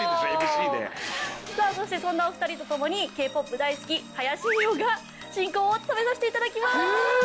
そしてそんなお二人と共にＫ−ＰＯＰ大好き林美桜が進行を務めさせて頂きます。